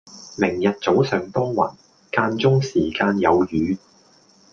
明日早上多雲，間中時間有雨